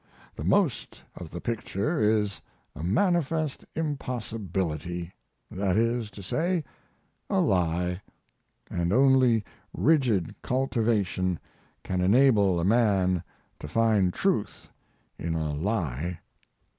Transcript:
The most of the picture is a manifest impossibility, that is to say, a lie; and only rigid cultivation can enable a man to find truth in a lie.